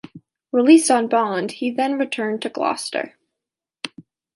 Released on bond, he then returned to Gloucester.